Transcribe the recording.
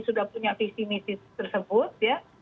sudah punya visi misi tersebut ya